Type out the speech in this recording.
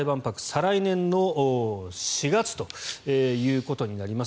再来年の４月ということになります。